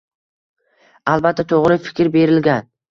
Аlbatta to'g'ri fikr berilgan.